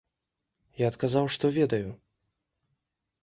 Я адказаў, што ведаю.